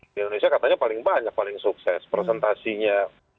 di indonesia katanya paling banyak paling sukses presentasinya